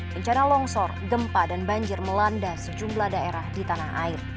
bencana longsor gempa dan banjir melanda sejumlah daerah di tanah air